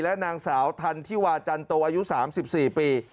และนางสาวทันที่วาจันโตอายุสามสิบสี่ปี